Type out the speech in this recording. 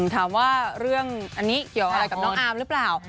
ถามว่าเรื่องอันนี้เกี่ยวอะไรกับน้องอาร์มหรือเปล่า